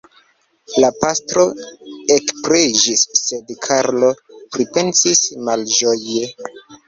La pastro ekpreĝis, sed Karlo pripensis malĝoje.